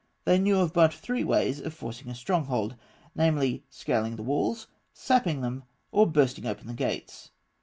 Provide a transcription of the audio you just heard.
They knew of but three ways of forcing a stronghold; namely, scaling the walls, sapping them, or bursting open the gates.